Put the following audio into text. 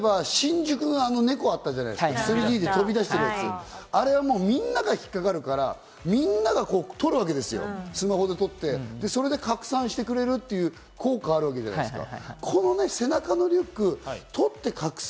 例えば新宿の猫あったじゃないですか、３Ｄで飛び出してるやつ、あれはみんながひっかかるから、みんながスマホで撮ってそれで拡散してくれるっていう効果があるわけじゃないですか。